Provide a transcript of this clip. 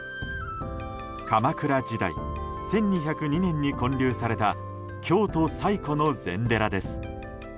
鎌倉時代１２０２年に建立された京都最古の禅寺です。